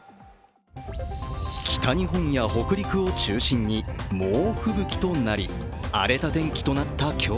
北日本や北陸を中心に猛吹雪となり荒れた天気となった今日。